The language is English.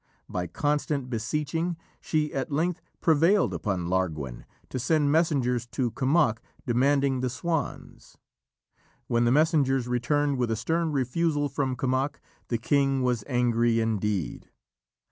By constant beseeching, she at length prevailed upon Larguen to send messengers to Kemoc, demanding the swans. When the messengers returned with a stern refusal from Kemoc, the king was angry indeed.